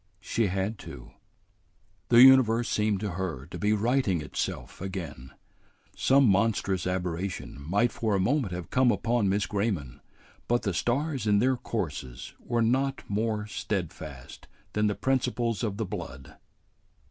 "She had to." The universe seemed to her to be righting itself again. Some monstrous aberration might for a moment have come upon Miss Grayman, but the stars in their courses were not more steadfast than the principles of the blood.